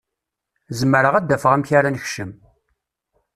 Zemreɣ ad d-afeɣ amek ara nekcem.